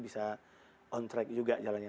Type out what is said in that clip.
bisa on track juga jalannya